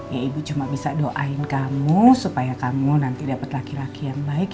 ya ibu cuma bisa doain kamu supaya kamu nanti dapat laki laki yang baik